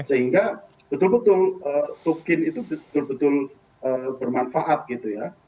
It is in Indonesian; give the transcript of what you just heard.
sehingga betul betul tukin itu betul betul bermanfaat gitu ya